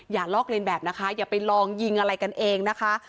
ลอกเรียนแบบนะคะอย่าไปลองยิงอะไรกันเองนะคะ